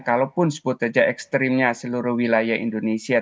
kalaupun sebut saja ekstrimnya seluruh wilayah indonesia